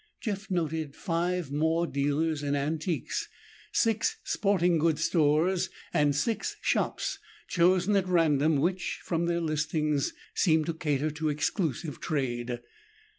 Jeff noted five more dealers in antiques, six sporting goods stores and six shops chosen at random which, from their listings, seemed to cater to exclusive trade.